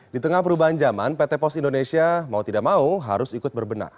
di tengah perubahan zaman pt pos indonesia mau tidak mau harus ikut berbenah